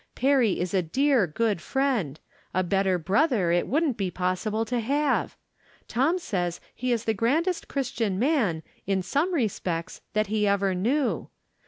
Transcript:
Perry is a dear, good friend ; a bet ter brother it wouldn't be possible to have. Tom says he is the grandest Christian man, in some respects, that he ever knew.